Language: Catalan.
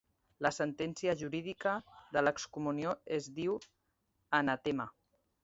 La sentència jurídica de l'excomunió es diu anatema.